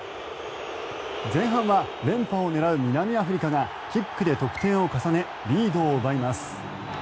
前半は連覇を狙う南アフリカがキックで得点を重ねリードを奪います。